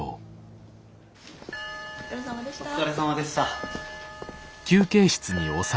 お疲れさまでした。